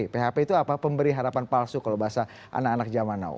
php itu apa pemberi harapan palsu kalau bahasa anak anak zaman now